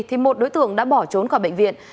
thì một đối tượng đã bỏ trốn khỏi bệnh viện